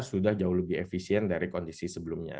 sudah jauh lebih efisien dari kondisi sebelumnya